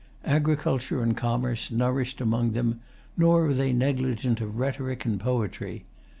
Agriculture and commerce nourished among them; nor were they negligent of rhetoric and poetry.